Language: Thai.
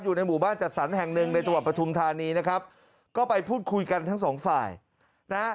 อยู่ในหมู่บ้านจัดสรรแห่งหนึ่งในจังหวัดปฐุมธานีนะครับก็ไปพูดคุยกันทั้งสองฝ่ายนะฮะ